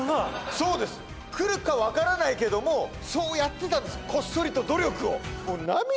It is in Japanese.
そうです来るか分からないけどもそうやってたんですこっそりと努力を。